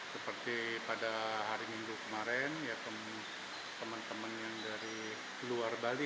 seperti pada hari minggu kemarin ya temen temen yang dari luar bali